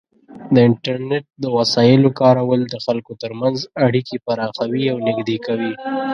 د انټرنیټ د وسایلو کارول د خلکو ترمنځ اړیکې پراخوي او نږدې کوي.